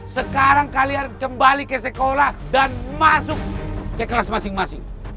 sekarang kalian kembali ke sekolah dan masuk ke kelas masing masing